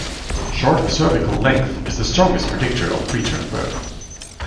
Short cervical length is the strongest predictor of preterm birth.